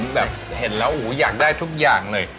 แบบเห็นแล้วอยากได้ทุกอย่างเลย